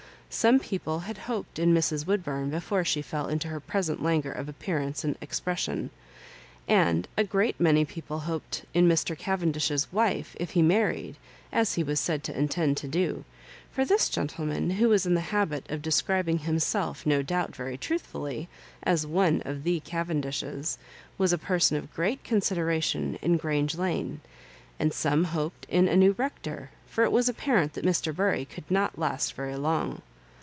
Some people had hoped in Mrs. Woodbum before she fell into her present languor of appearance and expression; and a great many people hoped in Mr. Cavendish's wife, if he married, as he was said to intend to do; for this gentleman, who was in the habit of describing himself no doubt, very truthfully, as one of the Cavendishes, was a person of great consideration in Grange Lane ; and some hoped in a new Bector, for it was apparent that Mr. Bury could not last very long.